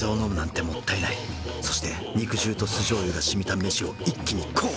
そして肉汁と酢醤油がしみた飯を一気にこう！